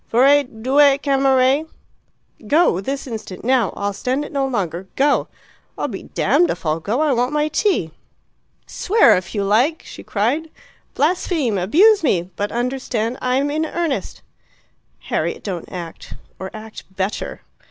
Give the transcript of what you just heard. "Vorrei due camere " "Go. This instant. Now. I'll stand it no longer. Go!" "I'm damned if I'll go. I want my tea." "Swear if you like!" she cried. "Blaspheme! Abuse me! But understand, I'm in earnest." "Harriet, don't act. Or act better."